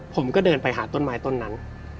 ผมก็เดินไปหาต้นไม้ต้นนั้น